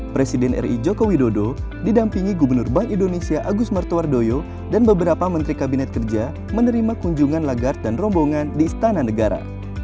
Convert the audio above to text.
presiden ri joko widodo didampingi gubernur bank indonesia agus martowardoyo dan beberapa menteri kabinet kerja menerima kunjungan lagarde dan rombongan di istana negara